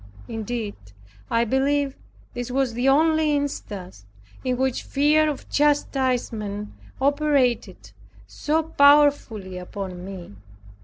Indeed, I believe this was the only instance in which fear of chastisement operated so powerfully upon me.